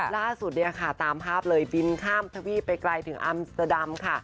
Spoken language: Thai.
ล่าสุดเนี่ยค่ะตามภาพเลยบินข้ามทวีปไปไกลถึงอัมเตอร์ดัมค่ะ